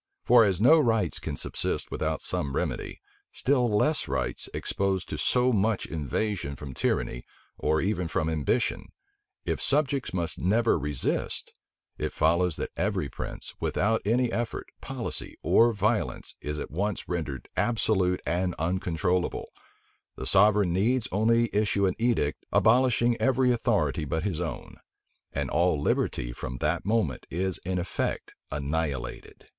For as no rights can subsist without some remedy, still less rights exposed to so much invasion from tyranny, or even from ambition; if subjects must never resist, it follows that every prince, without any effort, policy, or violence, is at once rendered absolute and uncontrollable; the sovereign needs only issue an edict abolishing every authority but his own; and all liberty from that moment is in effect annihilated.